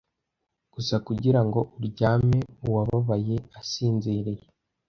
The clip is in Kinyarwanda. Gusa kugirango uryame uwababaye asinziriye,